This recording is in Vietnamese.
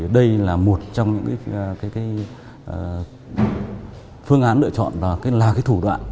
đây là một trong những phương án lựa chọn và thủ đoạn